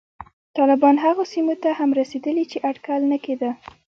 طالبان هغو سیمو ته هم رسېدلي چې اټکل نه کېده